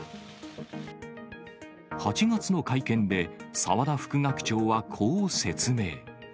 ８月の会見で澤田副学長はこう説明。